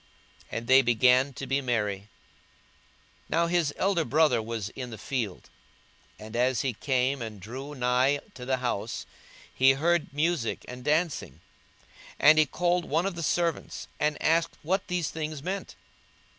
And they began to be merry. 42:015:025 Now his elder son was in the field: and as he came and drew nigh to the house, he heard musick and dancing. 42:015:026 And he called one of the servants, and asked what these things meant.